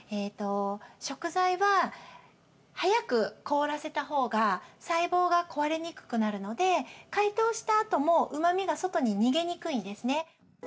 食材は早く凍らせたほうが細胞が壊れにくくなるので解凍したあとも、うまみが外に逃げにくいんですね。